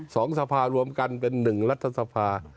สภารวมกันเป็นหนึ่งรัฐสภา